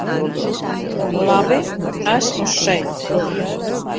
Labi, esmu šeit.